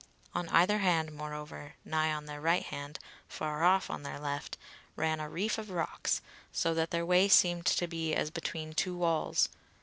On either hand moreover, nigh on their right hand, far off on their left, ran a reef of rocks, so that their way seemed to be as between two walls.